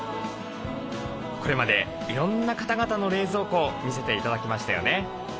これまでいろんな方々の冷蔵庫を見せて頂きましたよね。